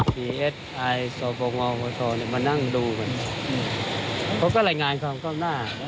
เอสไอสปงศมานั่งดูกันเขาก็รายงานความก้าวหน้า